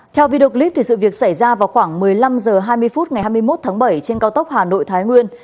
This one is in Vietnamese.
theo video clip sự việc xảy ra vào khoảng một mươi năm h hai mươi phút ngày hai mươi một tháng bảy trên cao tốc hà nội thái nguyên